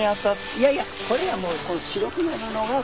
いやいやこれは白くなるのがこの。